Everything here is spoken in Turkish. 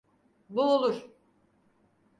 Bu olur.